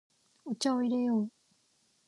お茶を入れよう。